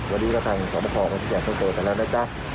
วันนี้ก็ตามทางสบคที่จะต้องโดยกันแล้วนะจ๊ะ